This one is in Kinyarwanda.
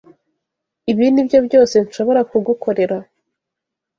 Ibi nibyo byose nshobora kugukorera.